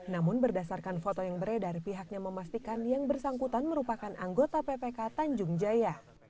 namun berdasarkan foto yang beredar pihaknya memastikan yang bersangkutan merupakan anggota ppk tanjung jaya